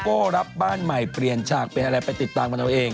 รับบ้านใหม่เปลี่ยนฉากเปลี่ยนอะไรไปติดตามกันเอาเอง